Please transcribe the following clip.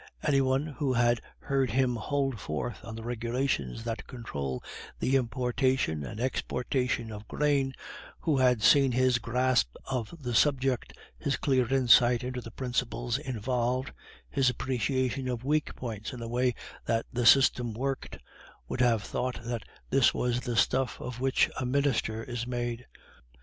Any one who had heard him hold forth on the regulations that control the importation and exportation of grain, who had seen his grasp of the subject, his clear insight into the principles involved, his appreciation of weak points in the way that the system worked, would have thought that here was the stuff of which a minister is made.